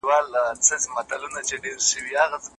ځان به خلاص کړو له دریم شریک ناولي